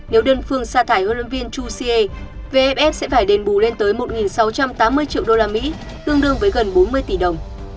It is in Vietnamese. nếu đơn phương xa thải huấn luyện viên chusea vfs sẽ phải đền bù lên tới một sáu trăm tám mươi triệu usd tương đương với gần bốn mươi tỷ đồng